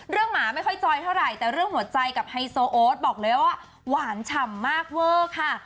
หมาไม่ค่อยจอยเท่าไหร่แต่เรื่องหัวใจกับไฮโซโอ๊ตบอกเลยว่าหวานฉ่ำมากเวอร์ค่ะ